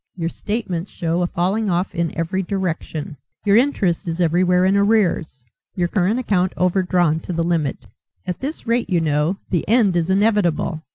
Your statements show a falling off in every direction. Your interest is everywhere in arrears; your current account overdrawn to the limit. At this rate, you know, the end is inevitable.